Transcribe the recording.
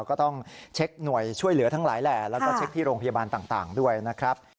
ก็ต้องเช็คหน่วยช่วยเหลือทั้งหลายแหล่แล้วก็เช็คที่โรงพยาบาลต่างด้วยนะครับ